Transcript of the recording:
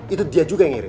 itu dia juga yang ngirim